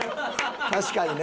確かにね。